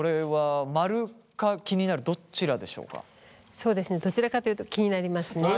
そうですねどちらかというと気になりますね。